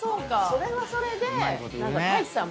それはそれで。